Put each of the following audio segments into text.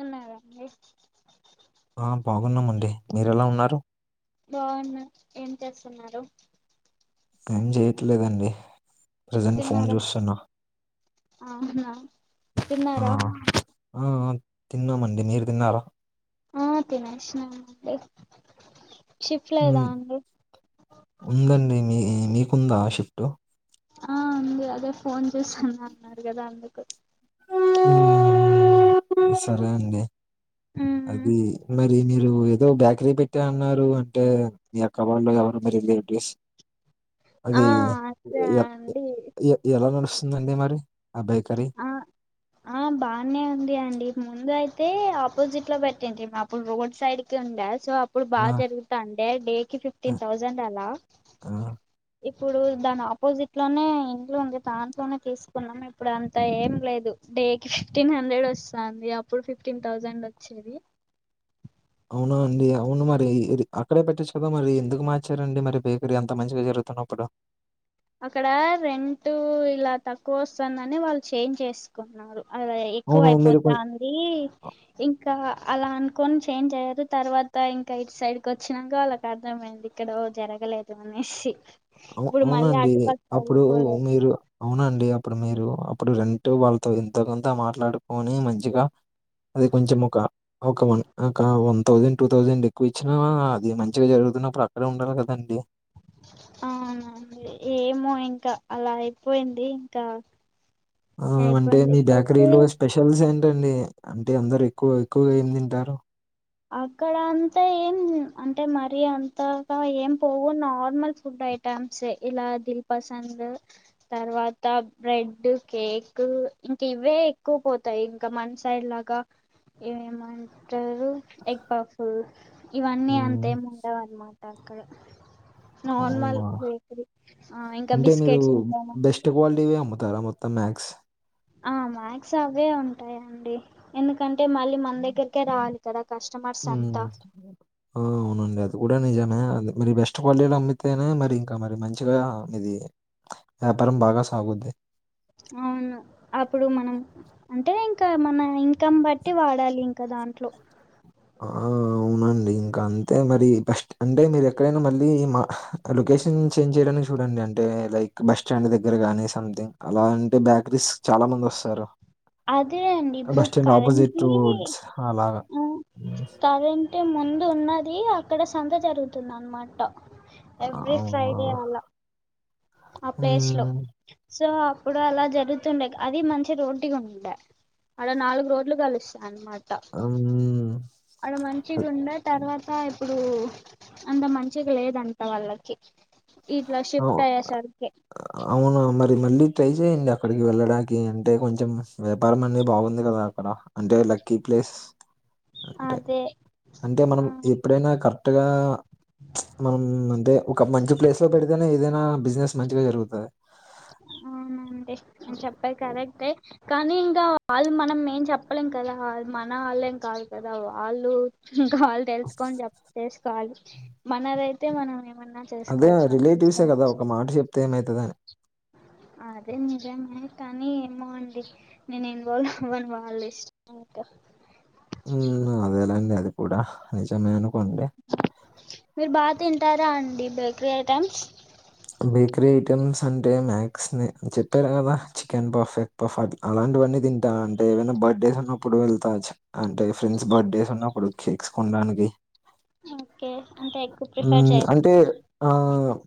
ఉన్నారండి ఆ బాగున్నామండి మీరెలా ఉన్నారు బాగున్నా ఏం చేస్తున్నారు ఏం జేయట్లేదండి తిన్నారా అవునా ఆ! తిన్నారా ఆ ఆ తిన్నామండి మీరు తిన్నారా ఆ తినేసిన అండీ షిఫ్ట్ లేదా హ్మ్. అండి ఉందండి మీ మీకుందా షిఫ్ట్ ఆ ఉంది అదే ఫోన్ చేసిన్నా అన్నారు కదా అందుకు సరే అండి మ్మ్ అది మీరు ఏదో బ్యాకరీ పెట్టే అన్నారు అంటే మీ అక్క వాళ్ళ ఎవరు మీ రిలేటివ్స్ [inaudible] అది ఆ అదే అండి ఇయ ఎలా నడుస్తుంది అండి మరి ఆ బేకరి ఆ ఆ బానే ఉంది అండి ముందు అయితే ఆపోజిట్లో పెట్టింటిమి అప్పుడు రోడ్ సైడ్కి ఉండా సో ఇప్పుడు ఆ! బాగా జరుగుతాండే డేకి ఆ! ఫిఫ్టీన్ థౌజండ్ అలా ఆ! ఇప్పుడు దాని ఆపోజిట్లోనే ఇంట్లో ఉంది దాంట్లోనే తీసుకున్నాం ఇప్పుడు అంత ఏం లేదు డేకి ఫిఫ్టీన్ హండ్రెడ్ వస్తాంది అప్పుడు ఫిఫ్టీన్ థౌజండ్ వచ్చేది అవున అండి అవును మరి అక్కడే పెట్టిచ్చు కదా మరి ఎందుకు మార్చారండి మరి బేకరీ అంత మంచిగా జరుగుతున్నప్పుడు అక్కడ రెంట్ ఇలా తక్కువ వస్తుందని వాళ్ళు చేంజ్ చేసుకున్నారు అలా ఎక్కువ అవును. మీరు కొం అయిపోతాంది ఇంకా అలా అనుకొని చేంజ్ అయ్యారు తర్వాత ఇంక ఇటు సైడ్కి వచ్చినంక వాళ్కు అర్థమైంది ఇక్కడో జరగలేదు అనేసి ఇప్పుడు మళ్ళీ హౌఅవునండి అటుపక్క అప్పుడు వెళ్ళిపోలేదు మీరు అవునండి అప్పుడు మీరు అప్పుడు రెంటూ వాళ్ళతో ఎంతో కొంత మాట్లాడుకొని మంచిగా అది కొంచ ముఖ ఒక వన్ ఒక వన్ థౌజండ్ టూ థౌజండ్ ఎక్కువ ఇచ్చినా అది మంచిగా జరుగుతున్నప్పుడు అక్కడే ఉండాలి కదండి అవునండి ఏమో ఇంకా అలా అయిపోయింది ఇంకా అంటే అయిపోయింది మీ ఓకే బేకరీలో స్పెషల్స్ ఏంటండి అంటే అందరు ఎక్కువ ఎక్కువగా ఏం తింటారు అక్కడ అంత ఏం అంటే మరి అంతల ఏం పోవు నార్మల్ ఫుడ్‌ ఐటమ్ ంటస్ ఇలా దిల్ పసంద్స్ తర్వాత బ్రెడ్ కేక్ ఇంకా ఇవే ఎక్కువపోతయి ఇకా మన సైడ్ లాగా ఏమంటారు ఎగ్ ఫఫు ఇవన్నీ హ్మ్. అంతేం ఉండవు అన్నమాట అక్కడ నార్మల్ అవునా! బేకరీ ఆ ఇంకా బిస్కెట్లు ఇంకా మన ఇవే అమ్ముతారా మొత్తం ద మ్యాక్స్ ఆ మ్యాక్స్ అవే ఉంటాయండి ఎందుకంటే మళ్ళీ మన దగ్గరకే రాలి కదా కస్టమర్లు ఉ ఆ అవునండి అది కూడా నిజమే అందుకని బెస్ట్ క్వాలిటీలు అమ్మితేనే మరి ఇంకా మరి మంచిగా ఇది వ్యాపారం బాగా సాగుతుంది ఆ అవును అప్పుడు మనం అంటే ఇంకా మన ఇన్కం బట్టి వాడాలి ఇంకా దాంట్లో ఆఆ అవునండి ఇంకా అంతే మరి ఫస్ట్ అంటే మీరు ఎక్కడైనా మళ్ళీ మా లొకేషన్ చేంజ్ చేయడానికి చూడండి అంటే లైక్ బస్స్టాండ్ దగ్గర గానీ సంథింగ్ అలా అంటే బ్యాకరీస్ చాలా మంది వస్తారు అదే అండి ఇప్పుడు అపోజిట్ కరెంట్వి రోడ్స్ అలాగా. హ్మ్. కరెంట్ అంటే ముందు ఉన్నది అక్కడ సంత జరుగుతుంది అనమాట ఆ! ఎవ్రీ ఫ్రైడే అలా ఆ ప్లేస్లో హ్మ్. సో అప్పుడు అలా జరుగుతుండే అది మంచి రూట్గా ఉండే అడ నాలుగు రోడ్లు కలుస్తాయన్నమాట అవు అడ మంచిగా ఉండే తర్వాత ఇప్పుడు అంత మంచిగా లేదంటా వాళ్ళకి ఇట్లా ఆ! షిఫ్ట్ అయ్యే సరే అవునా మరి మళ్ళీ ట్రై చేయండి అక్కడికి వెళ్ళడానికి అంటే కొంచెం వ్యాపారం అనేది బాగుంది కదా అక్కడ అంటే లక్కీ ప్లేస్ అంటే, అదే అంటే మనం ఆ! ఎప్పుడైనా కరెక్ట్గా మనం అంటే ఒక మంచి ప్లేస్లో పెడితేనే ఏదైనా బిజినెస్ మంచిగా జరుగుతుంది అవునండి మీరు చెప్పేది కరెక్టే కానీ ఇంకా వాళ్ళు మనం మేం చెప్పలేం కదా మనవాళ్ళు ఏం కాదు కదా వాళ్ళు ఇంకా వాళ్ళు తెలుసుకొని చెప్పితే చేసుకోవాలి మనదైతే మనం ఏమన్నా అదే చేసుకోవచ్చు మనకి రిలేటివ్స్ ఇష్టం కదా ఒక వచ్చింది మాట చెప్తే ఏమవుతుందని అదే నిజమే కానీ ఏమోండి నేను ఇన్వాల్వ్ అవ్వను వాళ్ళ ఇష్టం ఉ అదేలెండి అది కూడా నిజమే అనుకోండి మీరు బాగా తింటారా అండి బ్రేకరీ ఐటైమ్స్ బేకరీ ఐటెమ్స్ అంటే మ్యాథ్స్ ని చెప్పారు కదా చికెన్ ఫఫ్ పఫ్ అట్ల్ అలాంటివన్నీ తింటా అంటే ఏవైనా బర్త్డేస్ ఉన్నప్పుడు వెళ్తా అంటే ఫ్రెండ్స్ బర్త్డేస్ ఉన్నప్పుడు కేక్స్ కొనడానికి ఓకే అంటె ఎక్కువ ప్రిఫర్ చేయరు అంటే ఆ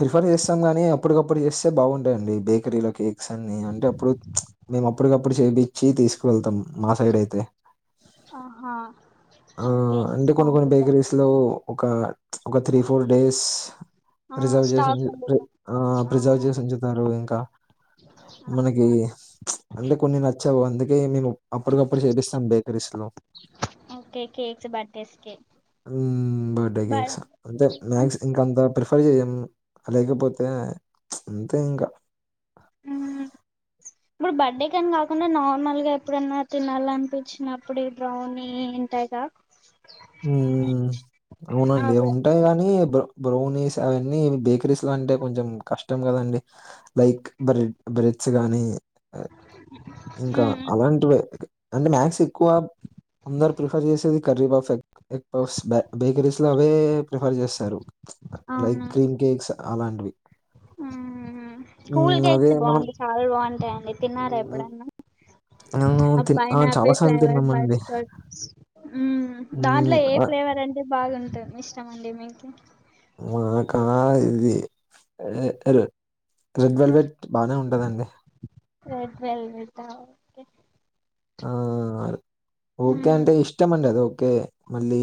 ప్రిఫర్ చేస్తాం గానీ అప్పటికప్పుడు చేస్తే బాగుంటాయండి బేకరీలోకేక్ స్ అన్ని అంటే అప్పుడు మేము అప్పటికప్పుడు చేపిచ్చి తీసుకు వెళ్తాం మా సైడ్ అయితే ఆ ఓకే ఇన్స్టాంట్ వా లో ఒక ఒక three four days reserve stock చేసింది ఉండిద్ది ఆ ప్రిజర్వ్ చేసి ఉంచుతారు ఇంకా మనకి ఆ, అంటే కొన్ని నచ్చవు అందుకే మేము అప్పటికప్పుడు చేపిస్తాం బేకరీస్ లో ఓకే కేక్స్ బర్త్డేస్ కి హూ బర్డే బ కేక్స్ అంటే మాక్స్ ఇంక అంత ప్రిఫర్ చేయము లేకపోతే అంతే ఇంకా ఆఆ ఇప్పుడు బర్త్డే కాని కాకుండా నార్మల్ గా ఎప్పుడనా తినాలనిపిచినప్పుడు బ్రౌనీ ఉంటాయిగా ఊ అవునండి అవే ఉంటాయి గాని బ్రవ్ బ్రౌనీస్ అవన్నీ బేకరీస్ లో అంటే కొంచెం కష్టం కదండి లైక్ బ్రెడ్ బ్రెడ్స్ గాని ఇంకా మ్మ్ అలాంటివే అంటే మాక్స్ ఎక్కువ అందరు ప్రిఫర్ చేసేది కర్రీపఫ్ ఎ ఎగ్ పఫ్ బేకరీస్ లో అవే ప్రిఫర్ చేస్తారు లైట్ అవును క్రీమ్ కేక్స్ అలాంటివి మ్మ్ ఉ స్కూల్ అదే కేక్స్ మనం బాగుంటాయి చాలా బాంటాయండి తిన్నారా మ్మ్, ఎప్పుడన్నా ఆ తిన్ చాలా పైనాపిల్ సార్లు ఫ్లేవర్ బటర్ తిన్నామండి స్కాచ్ ఊ దాంట్లో మ్మ్, ఏ ఆ, ఫ్లేవర్ అంటే బాగుంటుంది ఇష్టమండి మీకీ నాకా ఇది ఏ హే రెడ్ వెల్వెట్ బానే ఉంటదండి రెడ్ వెల్వెట్ ఆ ఓకే ఆ ఓకే మ్మ్ అంటే ఇష్టమండి అది ఓకే మళ్ళీ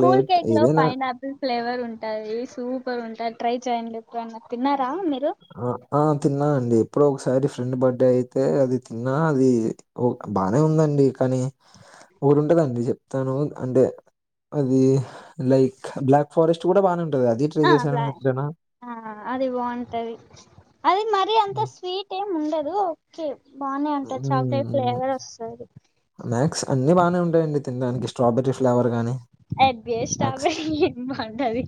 కూల్ కేక్ లో ఏదైనా పైనాపిల్ ఫ్లేవర్ ఉంటాది సూపర్ ఉంటాది ట్రై చేయండి ఎప్పుడన్న తిన్నారా మీరు ఆ ఆ తిన్నా అండి ఎప్పుడో ఒకసారి ఫ్రెండ్ బర్త్డే అయితే అది తిన్నా అది ఓ బానే ఉందండి కానీ ఊరుంటదండి చెప్తాను అంటే అది లైక్ బ్లాక్ ఫారెస్ట్ కూడా బానే ఉంటది అది ట్రై ఆ చేశారా బ్లా మీరెప్పుడైనా ఆ అది బాంటది అది మరీ అంత హ్మ్. స్వీట్ ఏమి ఉండదు ఓకే బానే ఉంటది చాక్లెట్ ఫ్లేవర్ వస్తది మ్యాక్స్ అన్ని బానే ఉంటాయండి తినడానికి స్ట్రాబెరీ ఫ్లేవర్ గానీ అడ్జస్ట్ అవాలి ఏం బాంటది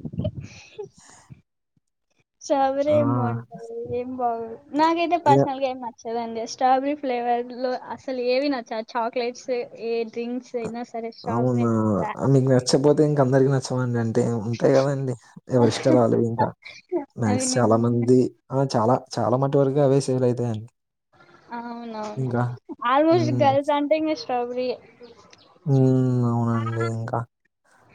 స్ట్రాబెర్రీ ఆ! ఏం బాంటది ఏం బాగోదు నాకైతే యాహ్! పర్సనల్ గా ఏం న చదండి స్ట్రాబెరీ ఫ్లేవర్ లో అసలు ఏవి నచ్చా ఆ చాక్లెట్స్ ఏ డ్రింక్స్ ఐన సరే స్ట్రాబెరి వే నచ్చక్పోతే ఇంక అందరికీ నచ్ చమండి అంటే ఉంటాయి కదండి ఎవరిష్టల్ ఆళ్ళ ఇంకా అది మ్యాక్స్ చాలా నిజమే మంది ఆ చాలా చాలా మటు వరకు అవే సేల్ అయితాయండి అవునవును ఇంకా. ఆల్మోస్ట్ హ్మ్. గర్ల్స్ అంటే ఇంకా స్ట్రాబెరీ ఏ ఉ అవునండి ఇంకా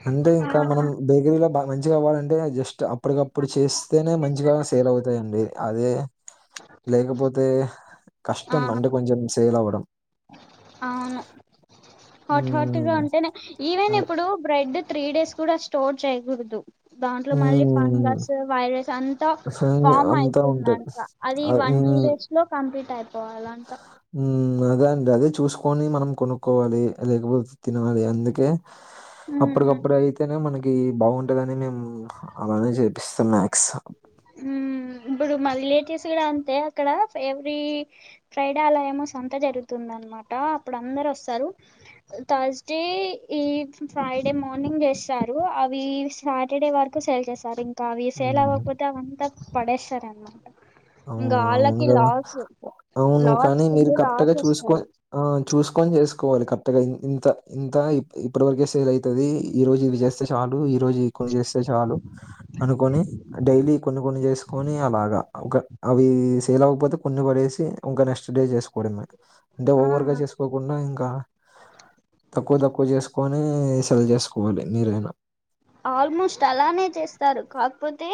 అంటే ఇంకా మనం బేకరీలో బాగా మంచిగా అవ్వాలంటే జస్ట్ అప్పటికప్పుడు చేస్తేనే మంచిగా సేల్ అవుతాయండి అదే లేకపోతే కష్టం ఆ అంటే కొంచెం సేల్ అవ్వడం అవును హాట్ హాట్ గా హ్మ్. ఉంటేనే ఈవెన్ అదే. ఇప్పుడు బ్రెడ్ త్రీ డేస్ కూడా స్టోర్ చేయకూడదు దాంట్లో మళ్ళీ హ్మ్. ఫంగస్ వైరస్ అంతా ఫైనల్ ఫామ్ అంతా ఉంటది. అయితుందంట అది ఆహ్, వన్ టూ హ్మ్. డేస్ లో కంప్లీట్ అయిపోవాలాంట ఉ అదే అండి అదే చూసుకొని మనం కొనుక్కోవాలి అదే రోజు తినాలి అందుకే ఉమ్ అప్పుడుకప్పుడే అయితే అయితేనే మనకి బాగుంటదని మేము అలానే చేపిస్తాం మ్యాక్స్ ఉ ఇప్పుడు మా రిలేటివ్స్ కూడా అంతే అక్కడ ఎవరీ ఫ్రైడే అలా ఏమో సంత జరుగుతుందనమాట అప్పుడు అందరు వస్తారు థర్స్డే ఈ ఫ్రైడే మార్నింగ్ చేస్తారు అవి సాటర్డే వరకు సేల్ చేస్తారు ఇంకా అవి సేల్ హ్మ్. అవ్వకపోతే అవంతా పడేస్తారనమాట ఇంకా అవును అవును వాళ్ళకి కదా లాస్ అవును లాస్ కానీ మీరు ఫుల్ కరెక్ట్ గా లాస్ చూసుకో వస్తాది ఆ చూసుకొని చేసుకోవాలి కరెక్ట్ గా ఇంత ఇంత ఇప్పటి వరకే సెల్ అయితది ఈ రోజు ఇది చేస్త స్తే చాలు ఈ రోజు ఈ కొన్ని చేస్తే చాలు అనుకొని డైలీ కొన్ని కొన్ని చేసుకొని అలాగా ఒక అవి సేల్ అవ్వకపోతే కొన్ని పడేసి ఇంకా నెక్స్ట్ డే చేసుకోవడమే అంటే ఆ ఓవర్ గా చేసు కోకుండా ఇంకా తక్కువ తక్కువ చేసుకొని సేల్ చేసుకోవాలి మీరైనా ఆల్మోస్ట్ అలానే చేస్తారు కాకపోతే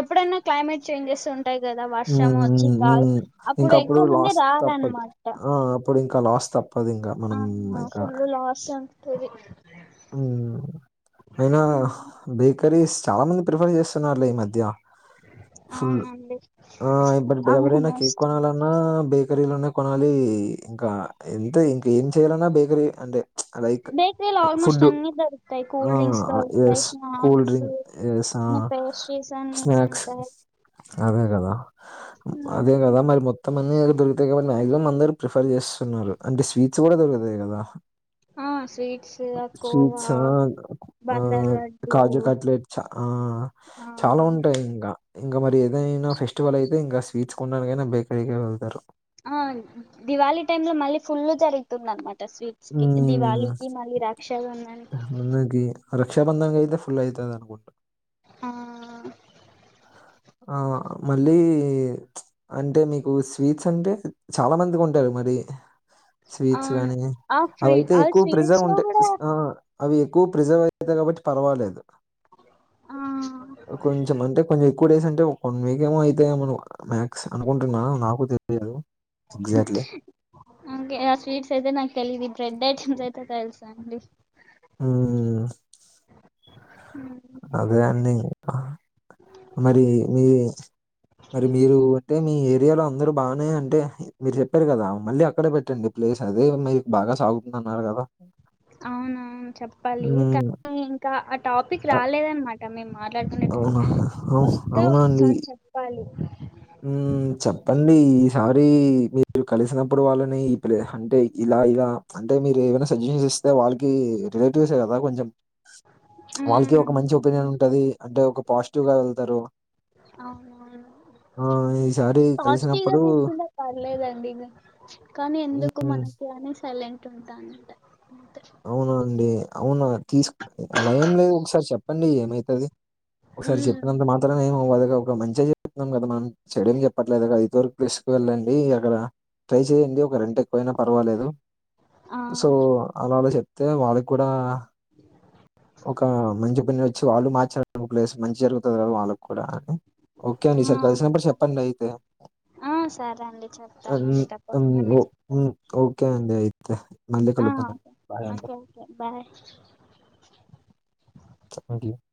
ఎప్పుడైనా క్లైమేట్ చేంజెస్ ఉ ఉంటాయి కదా వర్షం వచ్చి ఉమ్ ఉమ్ గాలి ఇంకా అప్పుడు ఎక్కువ మంది రారనమాట ఇప్పుడు ఇంకా లాస్ట్ తప్పదు ఇంకా మనం ఆ ఇంకా ఫుల్ లాస్ ఉంటాది అయినా బేకరీస్ చాలా మంది ప్రిఫర్ చేస్తున్నారులే ఈ మధ్య ఫుల్ అవునండి ఆ ఇప్పుడు బేకరి లో కేక్ ఆల్మోస్ట్ కొనాల న్నా బేకరీలోనే కొనాలి ఇంకా ఎంత ఇంక ఏం చేయ్యాలన్నా బేకరీ అంటే అలైక్ బేకరీలో ఆల్మోస్ట్ ఫుడ్డు అన్ని దొరుకుతాయి కూల్ డ్రింక్స్ దొరుకుతాయి yes cool snacks drink yes అన్ని పేస్ట్రీస్ అన్ని స్నాక్స్ ఉంటాయి అదే కదా అదే ఉమ్. కదా మరి మొత్తం అన్నీ దొరుకుతాయి కాబట్టి మాక్సిమం అందరు ప్రిఫర్ చేస్తున్నారు అంటే స్వీట్స్ కూడా దొరుకుతాయి కదా హా స్వీట్స్ కోవా స్వీట్స్ ఆ బందర్ లడ్డు కాజు కట్లెట్ చ ఆ చాలా ఆ ఉంటాయి ఇంకా ఇంకా మరి ఏదైనా ఫెస్టివల్ అయితే ఇంకా స్వీట్స్ కొనడానికైనా బేకరికి వెళ్తారు ఆ దీవాలి టైమ్ లో మళ్ళీ ఫుల్లు జరుగుతుందనమాట స్వీట్ దివాలికి మళ్ళీ రక్షాబంధన్ కి అందుకి రక్షా బంధానికి అయితే ఫుల్ అయితది అనుకుంట ఆ ఆ మళ్ళీ అంటే మీకు స్వీట్స్ అంటే చాలా మందికి ఉంటాయి మరి స్వీట్స్ అవును గానీ ఆ ఫ్రీ అవయితే ఆ ఎక్కువ ప్రిసర్వ్ స్వీట్స్ లో ఉంటాయి కూడా ఆ అవి ఎక్కువ ప్రిజర్వ్ అవుతాయి కాబట్టి పర్వాలేదు ఆ కొంచెం అంటే కొంచెం ఎక్కువ డేస్ అంటే ఒక వన్ వీక్ ఏమో అయితయేమో మ్యాక్స్ అనుకుంటున్నా నాకు తెలియదు ఎగ్జాక్ట్లీ స్వీట్స్ అయితే నా తెలిది బ్రెడ్ ఐటెమ్స్ అయితే తెలుసు అండి ఉం అదే అండి ఇంకా మరి మీ మరి మీరు అంటే మీ ఏరియాలో అందరు బానే అంటే మీరు చెప్పారు కదా మళ్ళీ అక్కడే పెట్టండి ప్లేస్ అదే మీరు బాగా సాగుతుందన్నారు కదా అవునా చెప్పాలి హ్మ్. కానీ ఇంకా ఆ టాపిక్ అ రాలేదనమాట మేము మాట్లాడుకునే అవునా? అవు వస్తే ఒకసారి చెప్పాలి ఉం చెప్పండి ఈసారి మీరు కలిసినప్పుడు వాళ్ళని ఈ ప్లే అంటే ఇలా ఇలా అంటే మీరు ఏమైనా సజెషన్ ఇస్తే వాళ్ళకి రిలేటివ్సే కదా కొంచెం వాళ్ళకి ఉమ్ ఒక మంచి ఒపీనియన్ ఉంటది అంటే ఒక పాజిటివ్ గా వెళ్తారు అవునవును ఆ ఈసారి పాజిటివ్ గా కలిసినప్పుడు తీసుకుంటే పర్లేదండి ఇగ కానీ ఎందుకు హ్మ్ మనకి అని సైలెంట్ ఉంటా అంట అంతే అవునా అండి అవునా తీసు అలా ఏం లేదు ఒకసారి చెప్పండి ఏమైతది ఒకసారి చెప్పినంత ఉమ్ మాత్రమే ఏం అవ్వదు గా ఒక మంచిగా చెప్తున్నాం కదా మనం చెడు ఏమ్ చెప్పట్లేదు గా ఇదు వరకు తీసుకు వెళ్ళండి అక్కడ ట్రై చెయండి ఒక రెంట్ ఎక్కువైనా పర్వాలేదు ఆ సో అలానే చెప్తే వాళ్ళకి కూడా ఒక మంచి పని మ వాళ్ళు [unintelligible] మార్చడడం ప్లేస్ మంచిగా జరుగుతుంది కదా వాళ్ళకు కూడా అని ఓకే ఆ అండి ఈ సారీ కలిసినప్పుడు చెప్పండి అయితే ఆ సరే అండి చెప్తానండి తప్పకుండా మీరు ఉం ఓకే అండి అయితే మళ్ళీ ఆ కలుదాం ఓకే ఓకే బాయ్ చపాతి [unintelligible]